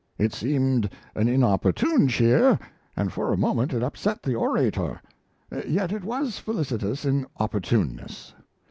It seemed an inopportune cheer, and for a moment it upset the orator: yet it was felicitous in opportuneness.